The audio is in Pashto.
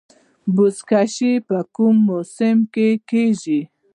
بزکشي په کوم موسم کې کیږي؟